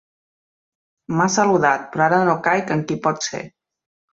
M'ha saludat, però ara no caic en qui pot ser.